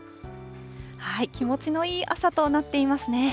気持ちのいい朝となっていますね。